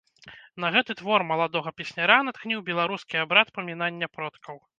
На гэты твор маладога песняра натхніў беларускі абрад памінання продкаў.